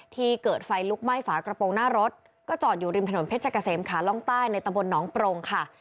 ที่เกิดไฟลุกไหม้ฝากระโปรงหน้ารถก็จอดอยู่ริมถนนเพชรเกษมขาล่องใต้ในตะบนหนองโปรงค่ะ